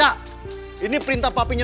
ayolah ai program bye bye